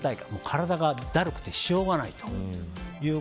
体がだるくてしょうがないという